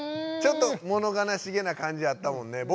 ちょっとものがなしげな感じあったもんね。